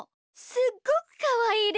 すっごくかわいいで。